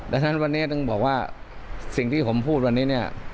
ดังนั้นวันนี้ต้องบอกว่าสิ่งที่ผมพูดวันนี้เนี่ย